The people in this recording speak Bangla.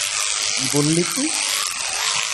কী বললি তুই?